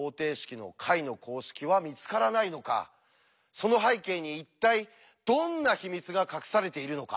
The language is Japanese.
その背景に一体どんな秘密が隠されているのか？